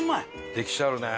歴史あるね。